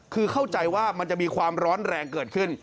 คือเข้าใจว่ามันจะมีความร้อนแรงเกิดขึ้น